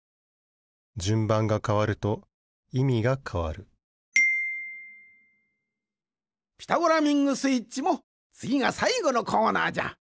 じゅんばんがかわるといみがかわる「ピタゴラミングスイッチ」もつぎがさいごのコーナーじゃ。